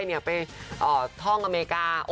จะไปท่องอเมกา